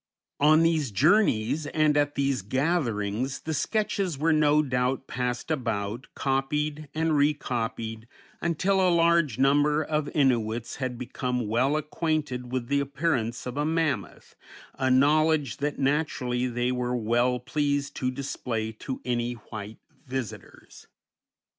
On these journeys and at these gatherings the sketches were no doubt passed about, copied, and recopied, until a large number of Innuits had become well acquainted with the appearance of the mammoth, a knowledge that naturally they were well pleased to display to any white visitors.